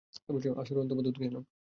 আসো রেহান, তোমার দুধ খেয়ে নাও।